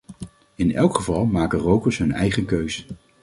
In elk geval maken rokers hun eigen keus.